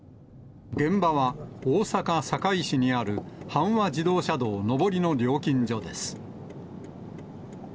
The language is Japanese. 現場は大阪・堺市にある阪和自動車道上りの料金所です。